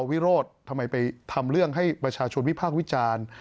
วิโรธทำไมไปทำเรื่องให้ประชาชนวิพากษ์วิจารณ์